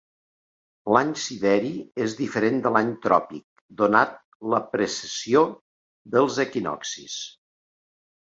L'any sideri és diferent de l'any tròpic donat la precessió dels equinoccis.